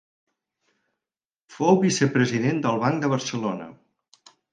Fou vicepresident del Banc de Barcelona.